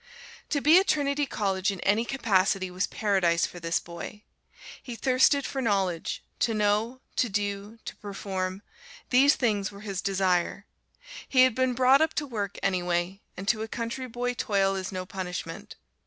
To be at Trinity College in any capacity was paradise for this boy. He thirsted for knowledge: to know, to do, to perform these things were his desire. He had been brought up to work, anyway, and to a country boy toil is no punishment.